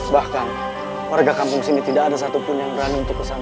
bahkan warga kampung sini tidak ada satupun yang berani untuk kesana